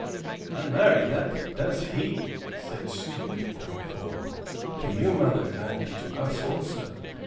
"Ay, marry, that does he!" said Stuteley, coming forward. "To you, mother, and to us also.